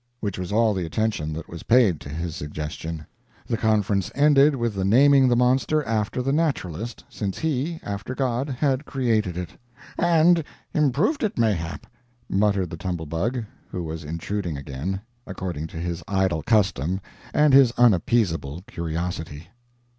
Which was all the attention that was paid to his suggestion. The conference ended with the naming the monster after the naturalist, since he, after God, had created it. "And improved it, mayhap," muttered the Tumble Bug, who was intruding again, according to his idle custom and his unappeasable curiosity.